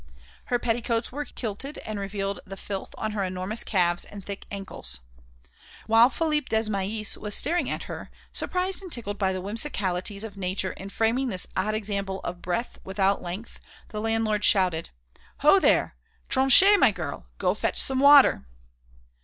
Her petticoats were kilted and revealed the filth on her enormous calves and thick ankles. While Philippe Desmahis was staring at her, surprised and tickled by the whimsicalities of nature in framing this odd example of breadth without length, the landlord shouted: "Ho, there! Tronche, my girl! go fetch some water!"